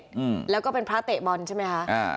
อืมแล้วก็เป็นพระเตะบอลใช่ไหมคะอ่า